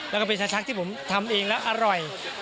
แล้วก็เป็นชาชักที่ผมทำเองแล้วอร่อย